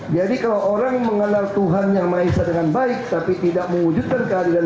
jadi kalau orang mengenal tuhan yang maizah dengan baik tapi tidak mewujudkan keharisan